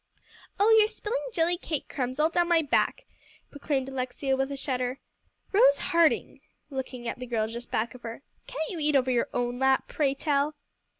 "Oh, you're spilling jelly cake crumbs all down my back," proclaimed Alexia, with a shudder. "Rose Harding," looking at the girl just back of her, "can't you eat over your own lap, pray tell?"